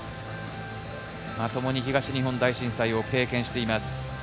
ともに東日本大震災を経験しています。